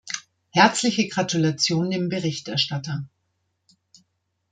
Herzliche Gratulation dem Berichterstatter.